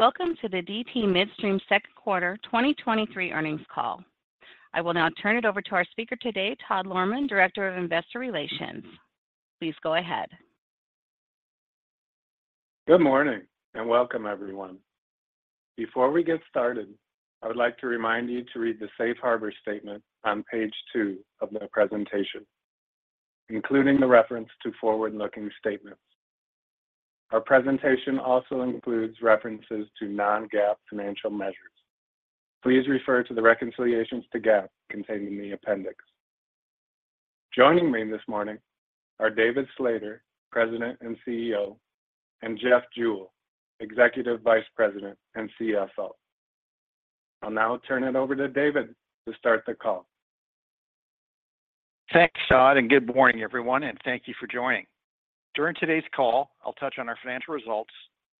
Welcome to the DT Midstream Q2 2023 earnings call. I will now turn it over to our speaker today, Todd Lohrmann, Director of Investor Relations. Please go ahead. Good morning, welcome everyone. Before we get started, I would like to remind you to read the safe harbor statement on page two of my presentation, including references to forward-looking statements. Our presentation also includes references to non-GAAP financial measures. Please refer to the reconciliations to GAAP containing the appendix. Joining me this morning are David Slater, President and CEO, and Jeff Jewell, Executive Vice President and CFO. I'll now turn it over to David to start the call. Thanks, Todd. Good morning, everyone, and thank you for joining. During today's call, I'll touch on our financial results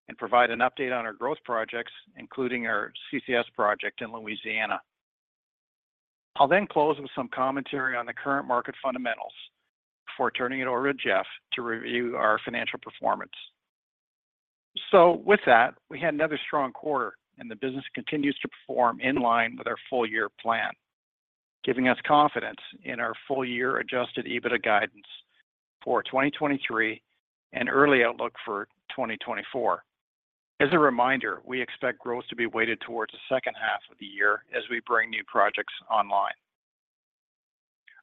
and provide an update on our growth projects, including our CCS project in Louisiana. I'll close with some commentary on the current market fundamentals before turning it over to Jeff to review our financial performance. With that, we had another strong quarter, and the business continues to perform in line with our full year plan, giving us confidence in our full year adjusted EBITDA guidance for 2023 and the early outlook for 2024. As a reminder, we expect growth to be weighted towards the H2 of the year as we bring new projects online.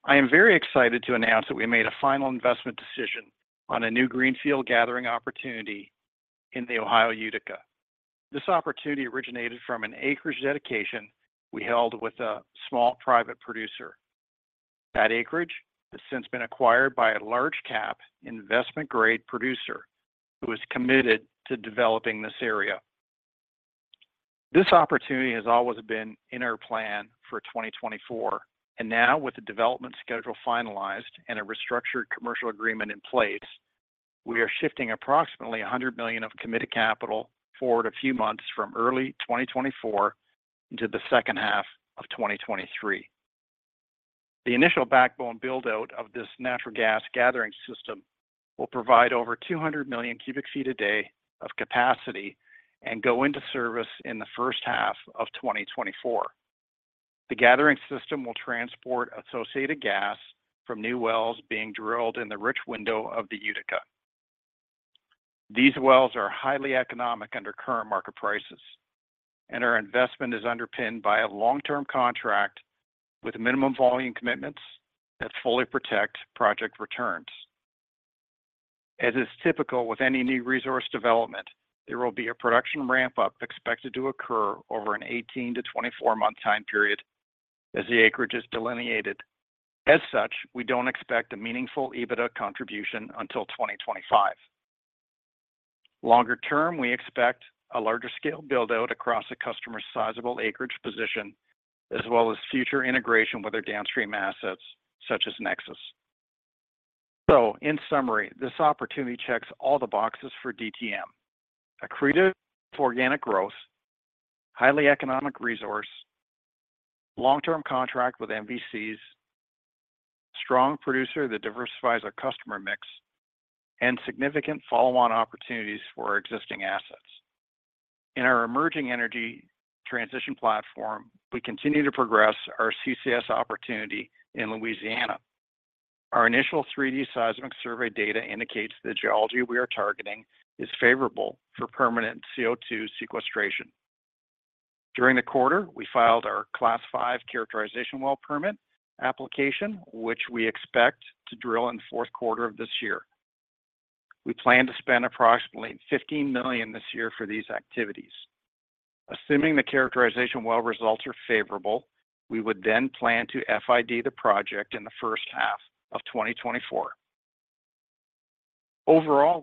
I am very excited to announce that we made a final investment decision on a new greenfield gathering opportunity in the Ohio Utica. This opportunity originated from an acreage dedication we held with a small private producer. That acreage has since been acquired by a large cap investment-grade producer who is committed to developing this area. This opportunity has always been in our plan for 2024, and now with the development schedule finalized and a restructured commercial agreement in place, we are shifting approximately $100 million of committed capital forward a few months from early 2024 into the H2 of 2023. The initial backbone build-out of this natural gas gathering system will provide over 200 million cubic feet a day of capacity and go into service in the H1 of 2024. The gathering system will transport associated gas from new wells being drilled in the rich window of the Utica. These wells are highly economic under current market prices, and our investment is underpinned by a long-term contract with minimum volume commitments that fully protect project returns. As is typical with any new resource development, there will be a production ramp-up expected to occur over an 18-24 month time period as the acreage is delineated. As such, we don't expect a meaningful EBITDA contribution until 2025. Longer term, we expect a larger scale build-out across a customer's sizable acreage position, as well as future integration with their downstream assets, such as NEXUS. In summary, this opportunity checks all the boxes for DTM. Accretive organic growth, highly economic resource, long-term contract with MVCs, strong producer that diversifies our customer mix, and significant follow-on opportunities for our existing assets. In our emerging energy transition platform, we continue to progress our CCS opportunity in Louisiana. Our initial 3D seismic survey data indicates the geology we are targeting is favorable for permanent CO₂ sequestration. During the quarter, we filed our Class V characterization well permit application, which we expect to drill in the Q4 of this year. We plan to spend approximately $15 million this year for these activities. Assuming the characterization well results are favorable, we would then plan to FID the project in the H1 of 2024.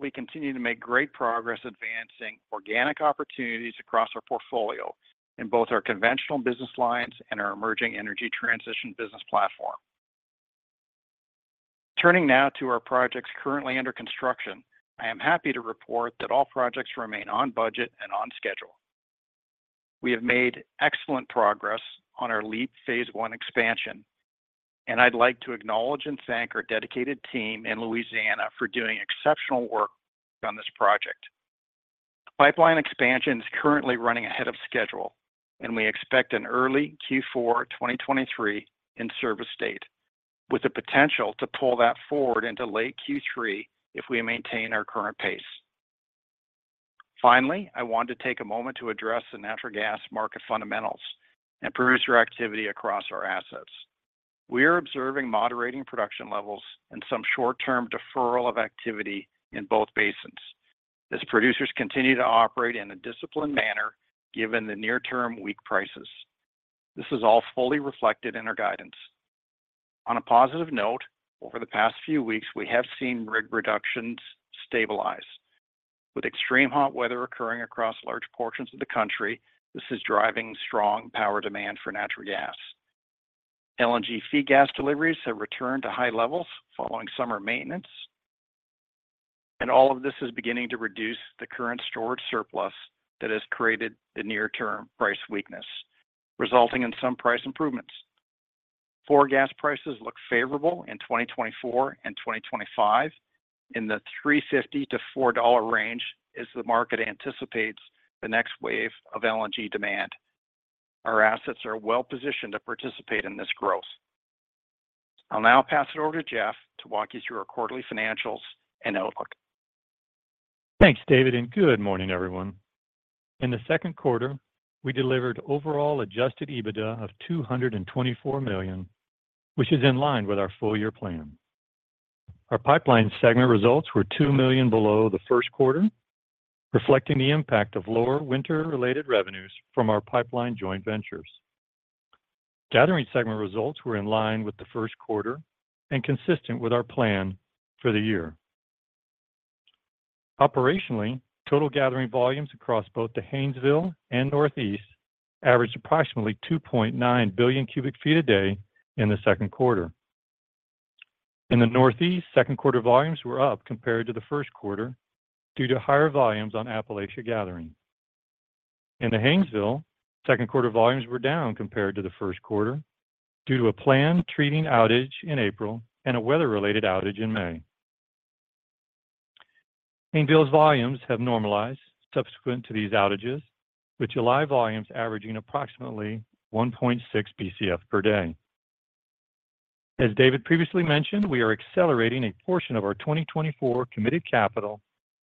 We continue to make great progress advancing organic opportunities across our portfolio in both our conventional business lines and our emerging energy transition business platform. Turning now to our projects currently under construction, I am happy to report that all projects remain on budget and on schedule. We have made excellent progress on our LEAP phase I expansion. I'd like to acknowledge and thank our dedicated team in Louisiana for doing exceptional work on this project. Pipeline expansion is currently running ahead of schedule. We expect an early Q4 2023 in-service date, with the potential to pull that forward into late Q3 if we maintain our current pace. Finally, I want to take a moment to address the natural gas market fundamentals and producer activity across our assets. We are observing moderating production levels and some short-term deferral of activity in both basins as producers continue to operate in a disciplined manner, given the near-term weak prices. This is all fully reflected in our guidance. On a positive note, over the past few weeks, we have seen rig reductions stabilize. With extreme hot weather occurring across large portions of the country. This is driving strong power demand for natural gas. LNG feed gas deliveries have returned to high levels following summer maintenance. All of this is beginning to reduce the current storage surplus that has created the near-term price weakness, resulting in some price improvements. Gas prices look favorable in 2024 and 2025, in the $3.50-$4.00 range as the market anticipates the next wave of LNG demand. Our assets are well-positioned to participate in this growth. I'll now pass it over to Jeff to walk you through our quarterly financials and outlook. Thanks, David. Good morning, everyone. In the Q2, we delivered overall adjusted EBITDA of $224 million, which is in line with our full-year plan. Our pipeline segment results were $2 million below the Q1, reflecting the impact of lower winter-related revenues from our pipeline joint ventures. Gathering segment results were in line with the Q1 and consistent with our plan for the year. Operationally, total gathering volumes across both the Haynesville and Northeast averaged approximately 2.9 billion cubic feet a day in the Q2. In the Northeast, Q2 volumes were up compared to the Q1 due to higher volumes on Appalachia Gathering. In the Haynesville, Q2 volumes were down compared to the Q1 due to a planned treating outage in April and a weather-related outage in May. Haynesville's volumes have normalized subsequent to these outages, with July volumes averaging approximately 1.6 BCF per day. As David previously mentioned, we are accelerating a portion of our 2024 committed capital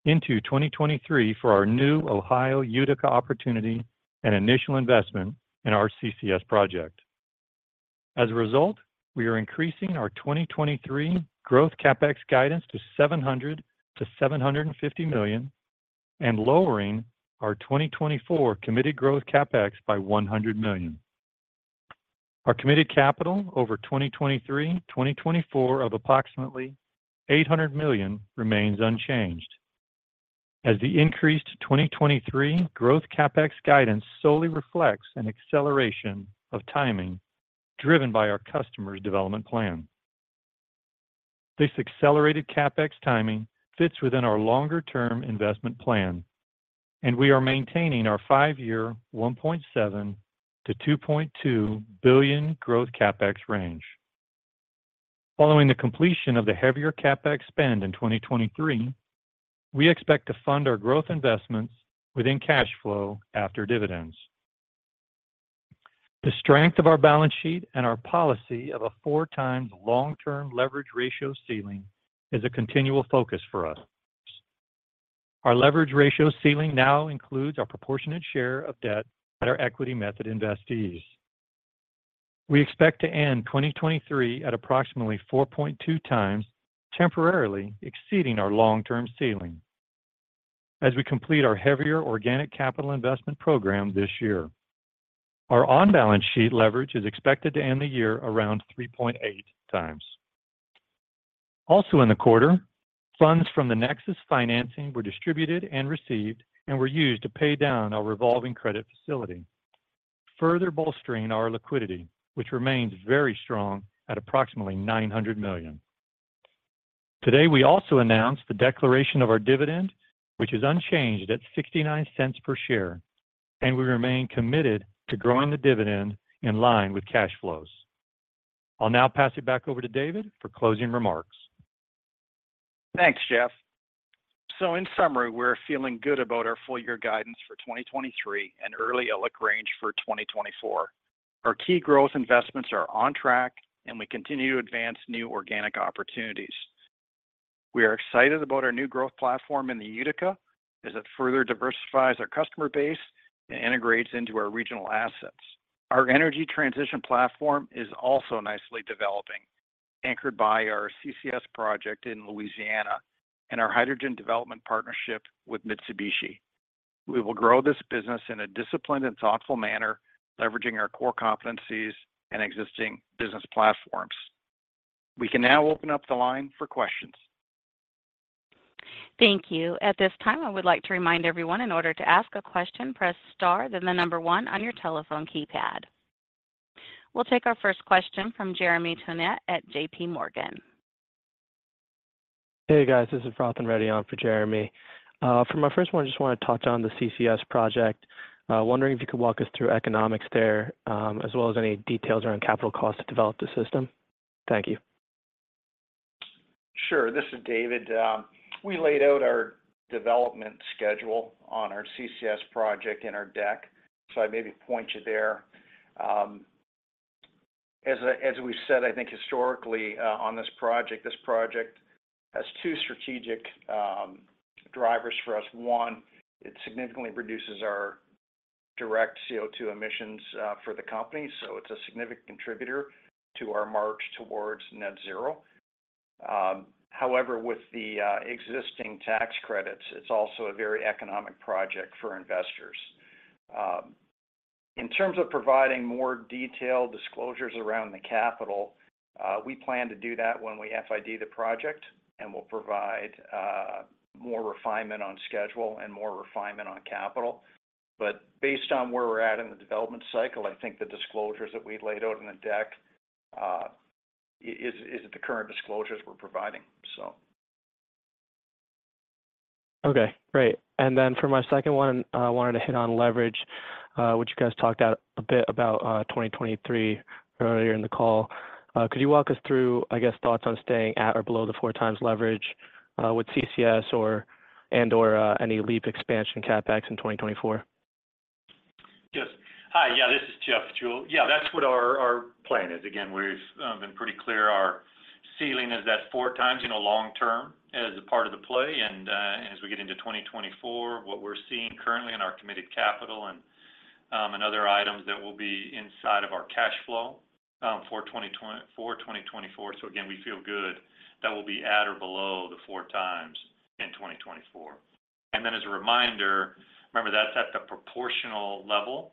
into 2023 for our new Ohio Utica opportunity and initial investment in our CCS project. As a result, we are increasing our 2023 growth CapEx guidance to $700 million-$750 million and lowering our 2024 committed growth CapEx by $100 million. Our committed capital over 2023, 2024 of approximately $800 million remains unchanged, as the increased 2023 growth CapEx guidance solely reflects an acceleration of timing driven by our customers' development plan. This accelerated CapEx timing fits within our longer-term investment plan, and we are maintaining our five-year $1.7 billion-$2.2 billion growth CapEx range. Following the completion of the heavier CapEx spend in 2023, we expect to fund our growth investments within cash flow after dividends. The strength of our balance sheet and our policy of a 4x long-term leverage ratio ceiling is a continual focus for us. Our leverage ratio ceiling now includes our proportionate share of debt at our equity method investees. We expect to end 2023 at approximately 4.2x, temporarily exceeding our long-term ceiling. As we complete our heavier organic capital investment program this year, our on-balance sheet leverage is expected to end the year around 3.8x. Also in the quarter, funds from the NEXUS financing were distributed and received and were used to pay down our revolving credit facility, further bolstering our liquidity, which remains very strong at approximately $900 million. Today, we also announced the declaration of our dividend, which is unchanged at $0.69 per share. We remain committed to growing the dividend in line with cash flows. I'll now pass it back over to David for closing remarks. Thanks, Jeff. In summary, we're feeling good about our full-year guidance for 2023 and early outlook range for 2024. Our key growth investments are on track, and we continue to advance new organic opportunities. We are excited about our new growth platform in the Utica as it further diversifies our customer base and integrates into our regional assets. Our energy transition platform is also nicely developing, anchored by our CCS project in Louisiana and our hydrogen development partnership with Mitsubishi. We will grow this business in a disciplined and thoughtful manner, leveraging our core competencies and existing business platforms. We can now open up the line for questions. Thank you. At this time, I would like to remind everyone in order to ask a question, press star, then the number one on your telephone keypad. We'll take our first question from Jeremy Tonet at JPMorgan. Hey, guys, this is Rohan Reddy on for Jeremy. For my first one, I just want to talk on the CCS project. Wondering if you could walk us through the economics there, as well as any details around capital costs to develop the system. Thank you. Sure. This is David. We laid out our development schedule on our CCS project in our deck. I maybe point you there. As we said, I think historically, on this project, this project has two strategic drivers for us. One, it significantly reduces our direct CO₂ emissions for the company. It's a significant contributor to our march towards net zero. With the existing tax credits, it's also a very economic project for investors. In terms of providing more detailed disclosures around the capital, we plan to do that when we FID the project. We'll provide more refinement on the schedule and more refinement on capital. Based on where we're at in the development cycle, I think the disclosures that we laid out in the deck is the current disclosures we're providing. Okay, great. For my second one, I wanted to hit on leverage, which you guys talked out a bit about, 2023 earlier in the call. Could you walk us through, I guess, thoughts on staying at or below the 4x leverage, with CCS or, and/or, any LEAP expansion CapEx in 2024? Yes. Hi, yeah, this is Jeff Jewell. Yeah, that's what our plan is. Again, we've been pretty clear our ceiling is at 4x, you know, long term as a part of the play. As we get into 2024, what we're seeing currently in our committed capital and other items that will be inside of our cash flow for 2024. Again, we feel good that we'll be at or below the 4x in 2024. Then as a reminder, remember that's at the proportional level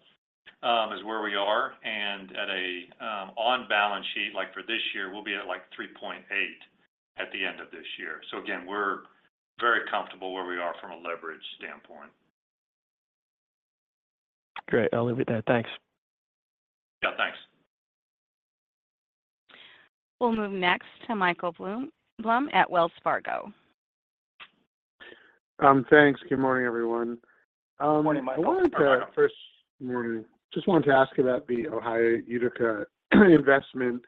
is where we are. At a on balance sheet, like for this year, we'll be at, like, 3.8 at the end of this year. Again, we're very comfortable where we are from a leverage standpoint. Great. I'll leave it there. Thanks. Yeah, thanks. We'll move next to Michael Blum at Wells Fargo. Thanks. Good morning, everyone. Good morning, Michael. Morning. Just wanted to ask about the Ohio Utica investment.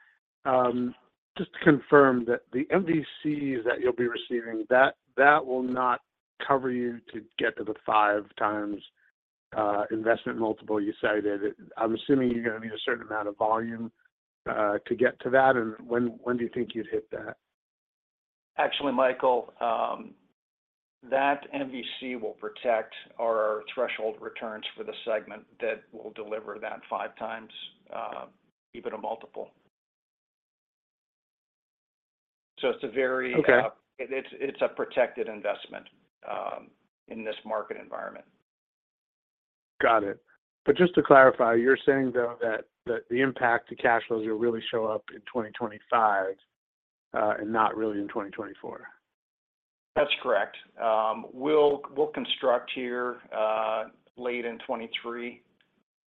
Just to confirm that the MVCs that you'll be receiving, that, that will not cover you to get to the 5x investment multiple you cited. I'm assuming you're going to need a certain amount of volume to get to that, and when, when do you think you'd hit that? Actually, Michael, that MVC will protect our threshold returns for the segment that will deliver that 5x EBITDA multiple. It's a protected investment, in this market environment. Got it. Just to clarify, you're saying though, that, that the impact to cash flows will really show up in 2025, and not really in 2024? That's correct. We'll, we'll construct here, late in 2023,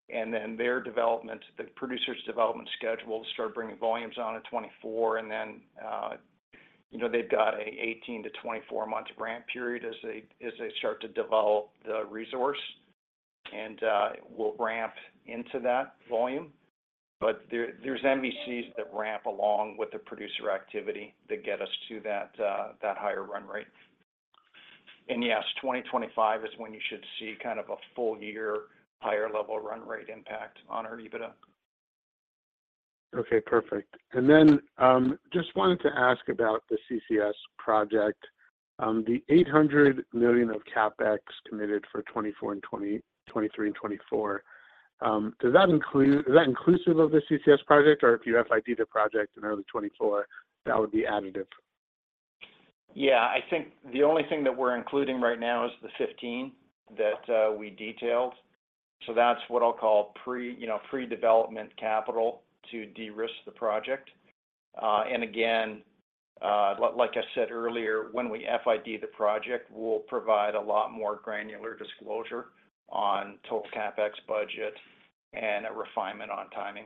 then their development, the producer's development schedule will start bringing volumes on in 2024. Then, you know, they've got a 18-24 month ramp period as they, as they start to develop the resource, we'll ramp into that volume. There, there's MVCs that ramp along with the producer activity that get us to that higher run rate. Yes, 2025 is when you should see kind of a full year, higher level run rate impact on our EBITDA. Okay, perfect. Just wanted to ask about the CCS project. The $800 million of CapEx committed for 2024 and 2023 and 2024, is that inclusive of the CCS project, or if you FID the project in early 2024, that would be additive? Yeah. I think the only thing that we're including right now is the 15 that we detailed. That's what I'll call pre, you know, pre-development capital to de-risk the project. Again, like, like I said earlier, when we FID the project, we'll provide a lot more granular disclosure on total CapEx budget and a refinement on timing.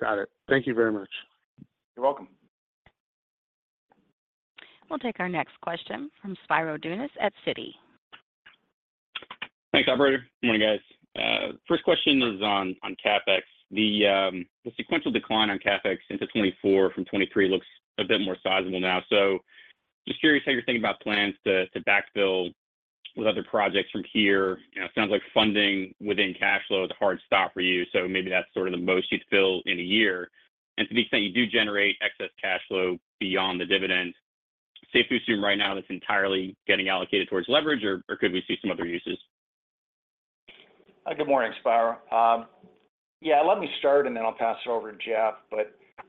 Got it. Thank you very much. You're welcome. We'll take our next question from Spiro Dounis at Citi. Thanks, operator. Good morning, guys. First question is on, on CapEx. The sequential decline on CapEx into 2024 from 2023 looks a bit more sizable now. Just curious how you're thinking about plans to, to backfill with other projects from here. You know, it sounds like funding within cash flow is a hard stop for you, so maybe that's sort of the most you'd fill in a year. To the extent you do generate excess cash flow beyond the dividend, safe to assume right now that's entirely getting allocated towards leverage, or, or could we see some other uses? Good morning, Spiro. Let me start and then I'll pass it over to Jeff,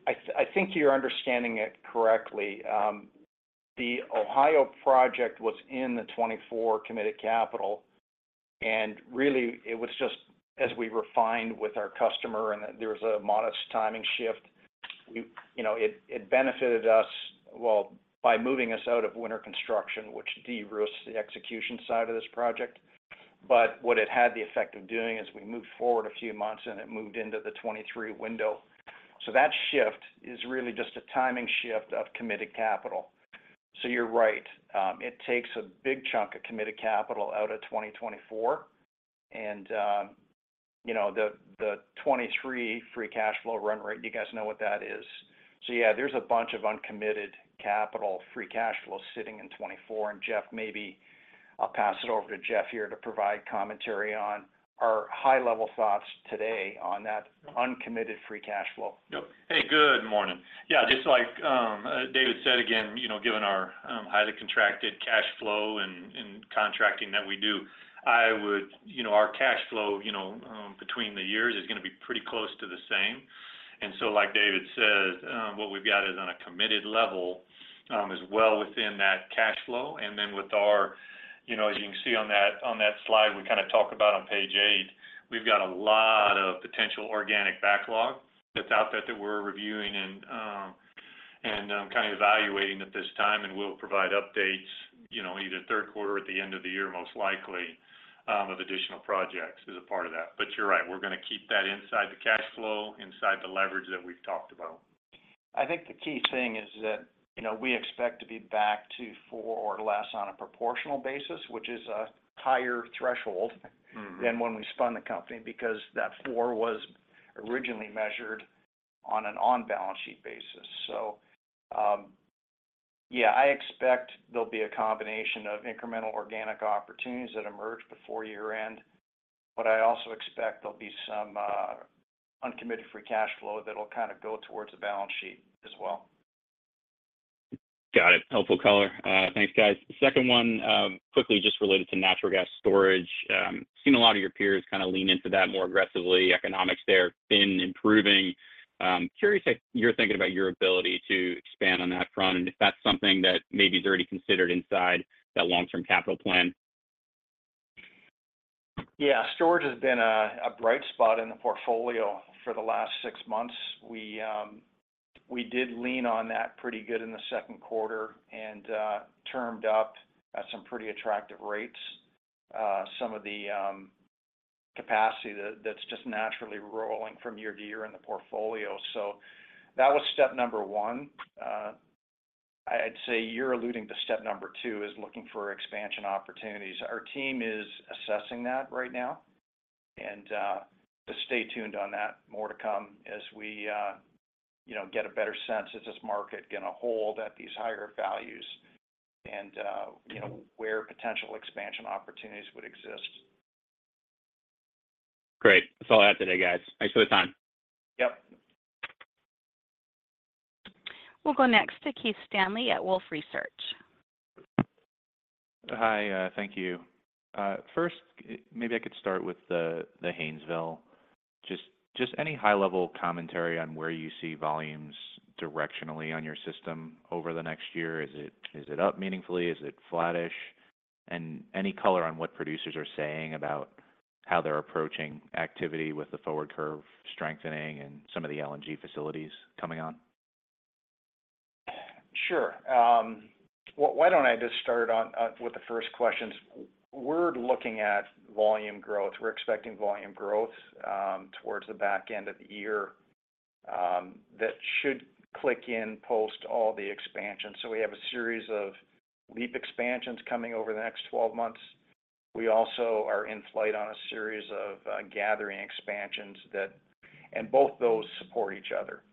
I think you're understanding it correctly. The Ohio project was in the 2024 committed capital, and really, it was just as we refined with our customer, and there was a modest timing shift. We, you know, it, it benefited us, well, by moving us out of winter construction, which de-risks the execution side of this project. What it had the effect of doing is we moved forward a few months, and it moved into the 2023 window. That shift is really just a timing shift of committed capital. You're right, it takes a big chunk of committed capital out of 2024. You know, the, the 2023 free cash flow run rate, you guys know what that is. Yeah, there's a bunch of uncommitted capital, free cash flow sitting in 2024. Jeff, maybe I'll pass it over to Jeff here to provide commentary on our high-level thoughts today on that uncommitted free cash flow. Yep. Hey, good morning. Yeah, just like David said, again, you know, given our highly contracted cash flow and contracting that we do. You know, our cash flow, you know, between the years is going to be pretty close to the same. So, like David says, what we've got is on a committed level is well within that cash flow. You know, as you can see on that, on that slide, we kind of talk about on page eight, we've got a lot of potential organic backlog that's out there that we're reviewing and kind of evaluating at this time, and we'll provide updates, you know, either Q3 or at the end of the year, most likely, of additional projects as a part of that. You're right, we're going to keep that inside the cash flow, inside the leverage that we've talked about. I think the key thing is that, you know, we expect to be back to four or less on a proportional basis, which is a higher threshold than when we spun the company, because that four was originally measured on an on-balance sheet basis. Yeah, I expect there'll be a combination of incremental organic opportunities that emerge before year-end, but I also expect there'll be some uncommitted free cash flow that'll kind of go towards the balance sheet as well. Got it. Helpful color. Thanks, guys. Second one, quickly just related to natural gas storage. Seen a lot of your peers kind of lean into that more aggressively. Economics there have been improving. Curious how you're thinking about your ability to expand on that front, and if that's something that maybe is already considered inside that long-term capital plan? Yeah, storage has been a bright spot in the portfolio for the last six months. We did lean on that pretty good in the Q2, and termed up at some pretty attractive rates. Some of the capacity that's just naturally rolling from year to year in the portfolio. That was step number one. I'd say you're alluding to step number two, is looking for expansion opportunities. Our team is assessing that right now, and just stay tuned on that. More to come as we, you know, get a better sense if this market is going to hold at these higher values and, you know, where potential expansion opportunities would exist. Great. That's all I have today, guys. Thanks for the time. Yep. We'll go next to Keith Stanley at Wolfe Research. Hi, thank you. First, maybe I could start with the, the Haynesville. Just any high-level commentary on where you see volumes directionally on your system over the next year? Is it up meaningfully? Is it flattish? Any color on what producers are saying about how they're approaching activity with the forward curve strengthening and some of the LNG facilities coming on? Sure. Well, why don't I just start with the first question. We're looking at volume growth. We're expecting volume growth towards the back end of the year, that should click in post all the expansions. We have a series of LEAP expansions coming over the next 12 months. We also are in flight on a series of gathering expansions that both those support each other.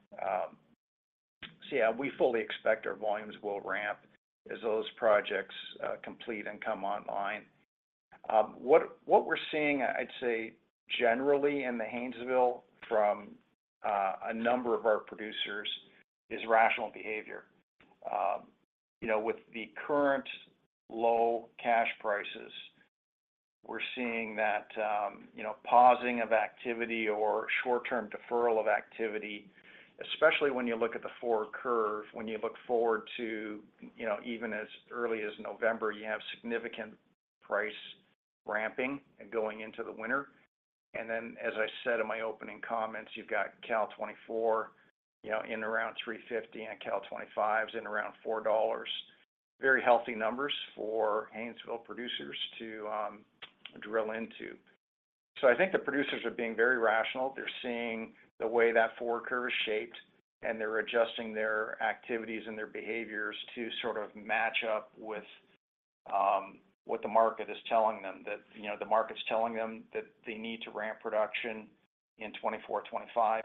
So yeah, we fully expect our volumes will ramp as those projects complete and come online. What, what we're seeing, I'd say, generally in the Haynesville from a number of our producers, is rational behavior. You know, with the current low cash prices, we're seeing that, you know, pausing of activity or short-term deferral of activity, especially when you look at the forward curve, when you look forward to, you know, even as early as November, you have significant price ramping and going into the winter. Then, as I said in my opening comments, you've got Cal 2024, you know, in around $3.50, and Cal 2025 is in around $4. Very healthy numbers for Haynesville producers to drill into. I think the producers are being very rational. They're seeing the way that forward curve is shaped, and they're adjusting their activities and their behaviors to sort of match up with what the market is telling them. That, you know, the market's telling them that they need to ramp production in 2024, 2025,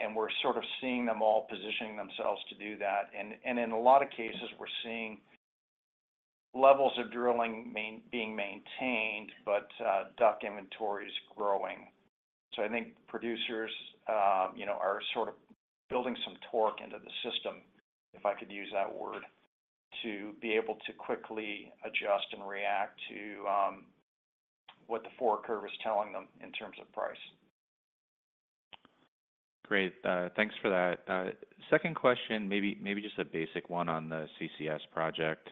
and we're sort of seeing them all positioning themselves to do that. In a lot of cases, we're seeing levels of drilling being maintained, but DUC inventory is growing. I think producers, you know, are sort of building some torque into the system, if I could use that word, to be able to quickly adjust and react to what the forward curve is telling them in terms of price. Great. Thanks for that. Second question, maybe, maybe just a basic one on the CCS project.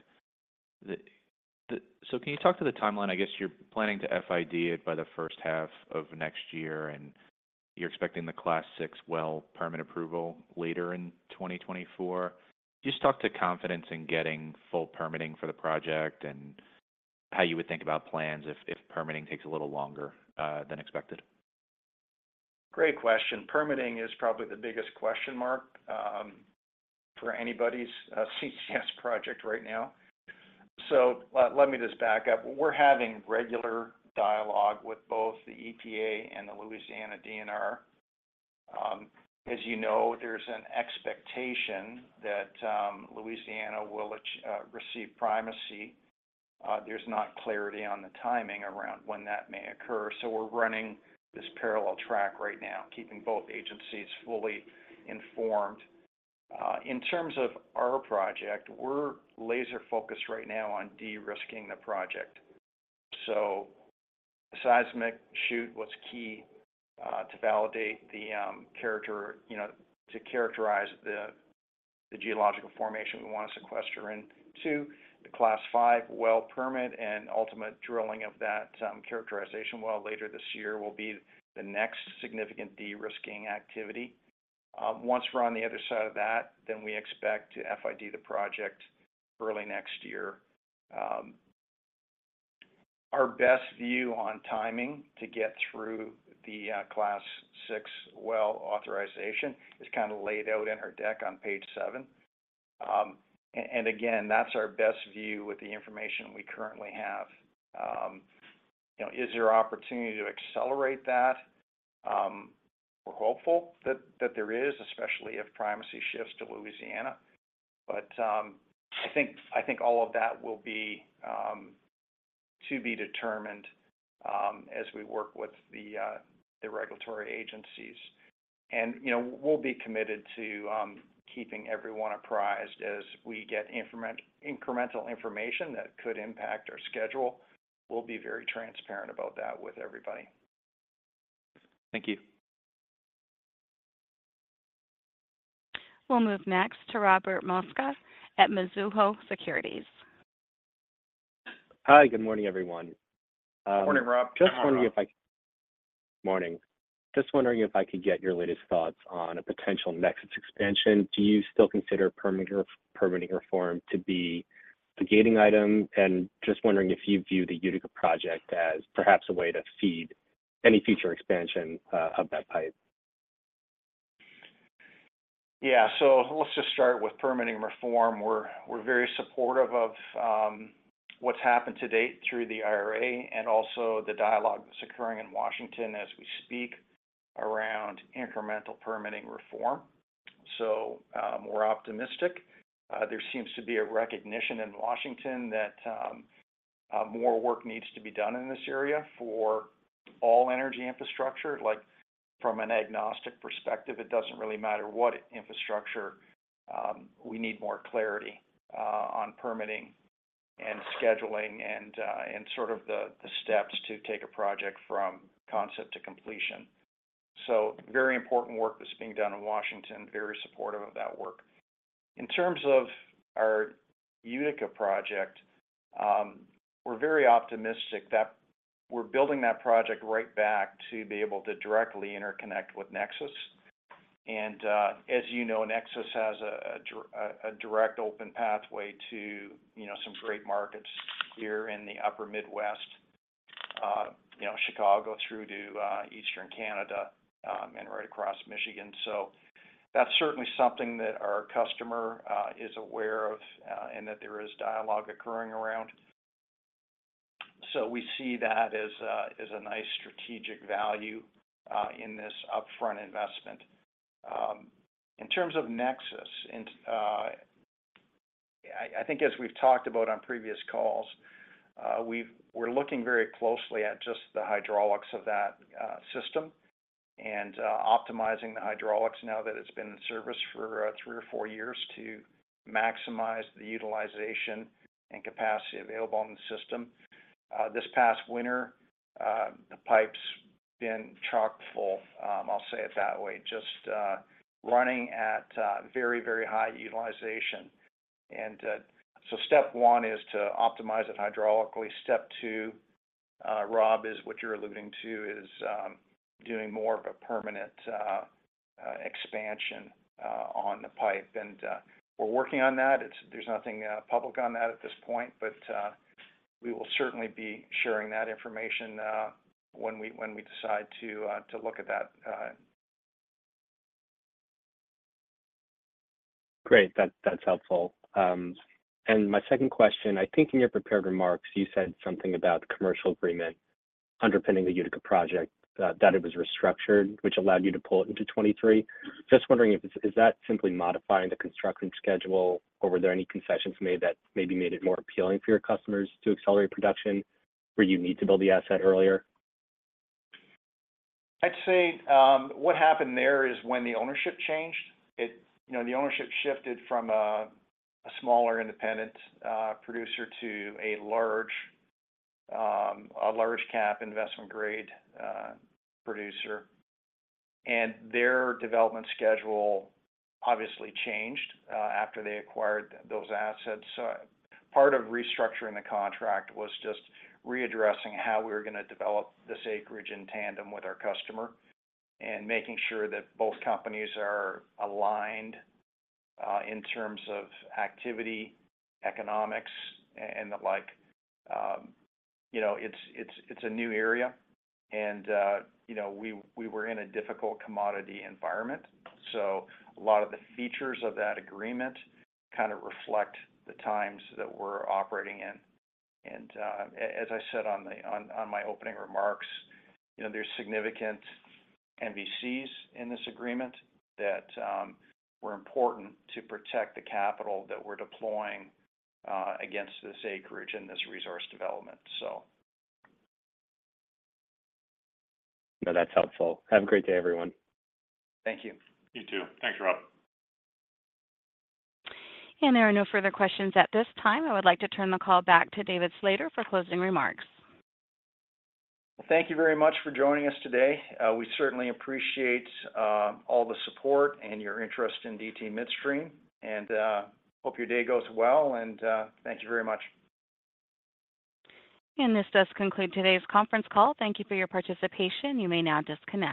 Can you talk to the timeline? I guess you're planning to FID it by the 1st half of next year, and you're expecting the Class VI well permit approval later in 2024. Just talk to confidence in getting full permitting for the project and how you would think about plans if, if permitting takes a little longer than expected. Great question. Permitting is probably the biggest question mark for anybody's CCS project right now. Let me just back up. We're having regular dialogue with both the EPA and the Louisiana DNR. As you know, there's an expectation that Louisiana will receive primacy. There's not clarity on the timing around when that may occur. We're running this parallel track right now, keeping both agencies fully informed. In terms of our project, we're laser focused right now on de-risking the project. The seismic shoot was key to validate the character, you know, to characterize the geological formation we want to sequester in. Two, the Class V well permit and ultimate drilling of that characterization well later this year, will be the next significant de-risking activity. Once we're on the other side of that, then we expect to FID the project early next year. Our best view on timing to get through the Class VI well authorization is kind of laid out in our deck on page seven. Again, that's our best view with the information we currently have. You know, is there opportunity to accelerate that? We're hopeful that, that there is, especially if primacy shifts to Louisiana. I think, I think all of that will be to be determined as we work with the regulatory agencies. You know, we'll be committed to keeping everyone apprised as we get incremental information that could impact our schedule. We'll be very transparent about that with everybody. Thank you. We'll move next to Robert Mosca at Mizuho Securities. Hi, good morning, everyone. Morning, Rob. Just wondering. Hi, Rob. Morning. Just wondering if I could get your latest thoughts on a potential NEXUS expansion? Do you still consider federal permitting reform to be the gating item? Just wondering if you view the Utica project as perhaps a way to feed any future expansion of that pipe? Yeah. Let's just start with permitting reform. We're very supportive of what's happened to date through the IRA and also the dialogue that's occurring in Washington as we speak around incremental permitting reform. We're optimistic. There seems to be a recognition in Washington that more work needs to be done in this area for all energy infrastructure. Like, from an agnostic perspective, it doesn't really matter what infrastructure, we need more clarity on permitting and scheduling and and sort of the steps to take a project from concept to completion. Very important work that's being done in Washington, very supportive of that work. In terms of our Utica project, we're very optimistic that we're building that project right back to be able to directly interconnect with NEXUS. As you know, NEXUS has a direct open pathway to, you know, some great markets here in the upper Midwest, you know, Chicago through to Eastern Canada, and right across Michigan. That's certainly something that our customer is aware of, and that there is dialogue occurring around. We see that as a nice strategic value in this upfront investment. In terms of NEXUS, and, I think as we've talked about on previous calls, we're looking very closely at just the hydraulics of that system and optimizing the hydraulics now that it's been in service for three or four years to maximize the utilization and capacity available in the system. This past winter, the pipe's been chock full, I'll say it that way, just running at very, very high utilization. So step one is to optimize it hydraulically. Step two, Rob, is what you're alluding to, is doing more of a permanent expansion on the pipe. We're working on that. There's nothing public on that at this point, but we will certainly be sharing that information when we, when we decide to look at that. Great. That, that's helpful. My second question, I think in your prepared remarks, you said something about commercial agreement underpinning the Utica project, that it was restructured, which allowed you to pull it into 2023. Just wondering if that simply modifying the construction schedule, or were there any concessions made that maybe made it more appealing for your customers to accelerate production, where you need to build the asset earlier? I'd say, what happened there is when the ownership changed, it. You know, the ownership shifted from a, a smaller independent producer to a large cap investment-grade producer. Their development schedule obviously changed after they acquired those assets. Part of restructuring the contract was just readdressing how we were gonna develop this acreage in tandem with our customer and making sure that both companies are aligned in terms of activity, economics, and the like. You know, it's a new area, and we were in a difficult commodity environment. A lot of the features of that agreement kind of reflect the times that we're operating in. As I said on my opening remarks, you know, there's significant MVCs in this agreement that were important to protect the capital that we're deploying against this acreage and this resource development. No, that's helpful. Have a great day, everyone. Thank you. You too. Thanks, Rob. There are no further questions at this time. I would like to turn the call back to David Slater for closing remarks. Thank you very much for joining us today. We certainly appreciate all the support and your interest in DT Midstream. We hope your day goes well, and thank you very much. This does conclude today's conference call. Thank you for your participation. You may now disconnect.